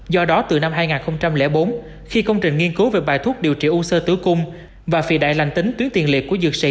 do đó từ năm hai nghìn bốn khi công trình nghiên cứu về bài thuốc điều trị u sơ tử cung và phì đại lành tính tuyến tiền liệt của dược sĩ